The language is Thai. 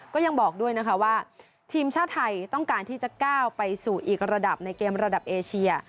ก็ยังบอกด้วยนะคะว่าทีมชาติไทยต้องการที่จะก้าวไปสู่อีกระดับในเกมระดับเอเชีย